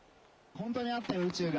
本当にあったよ、宇宙が。